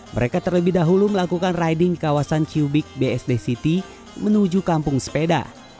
mereka terlebih dahulu melakukan riding di kawasan cubik bsd city menuju kampung sepeda